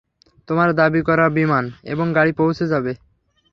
তোমার দাবি করা বিমান এবং গাড়ি পৌঁছে যাবে।